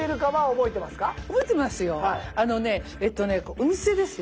覚えてますよ。